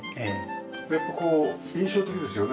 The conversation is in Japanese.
やっぱこう印象的ですよね